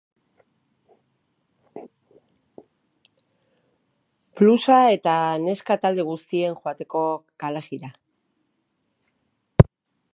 Blusa eta neska talde guztien joateko kalejira.